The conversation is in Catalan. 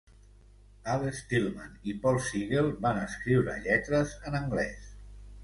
Al Stillman i Paul Siegel van escriure lletres en anglès.